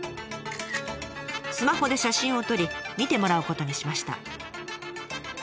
スマホで写真を撮り見てもらうことにしました。